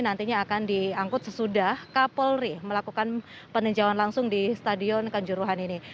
rencana yang memang terdapat adalah untuk pengamanan di stadion kanjuruhan ini melakukan peninjauan langsung di stadion kanjuruhan ini